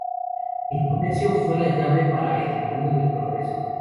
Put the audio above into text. El comercio fue la llave para el camino del progreso.